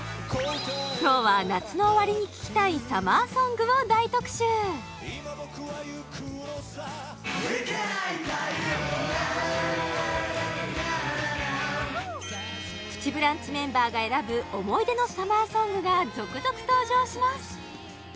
今日は夏の終わりに聴きたいイケナイ太陽ＮａＮａ「プチブランチ」メンバーが選ぶ思い出のサマーソングが続々登場します